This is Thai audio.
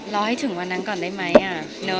รอให้ถึงวันนั้นก่อนได้ไหม